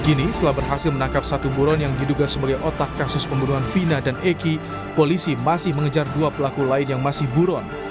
kini setelah berhasil menangkap satu buron yang diduga sebagai otak kasus pembunuhan vina dan eki polisi masih mengejar dua pelaku lain yang masih buron